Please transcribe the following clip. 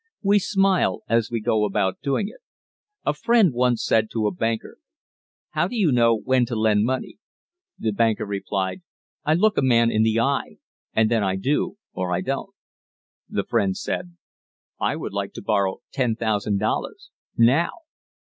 We smile as we go about doing it. A friend once said to a banker: "How do you know when to lend money?" The banker replied: "I look a man in the eye and then I do or I don't." The friend said: "I would like to borrow ten thousand dollars now!"